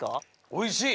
おいしい！